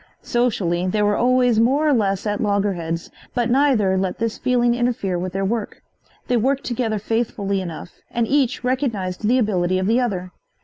Socially they were always more or less at loggerheads, but neither let this feeling interfere with their work. They worked together faithfully enough and each recognized the ability of the other.